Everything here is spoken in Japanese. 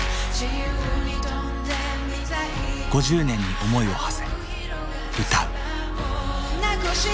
５０年に思いをはせ歌う。